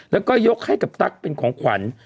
แล้วก็ยกให้กับตั๊กเป็นของขวัญ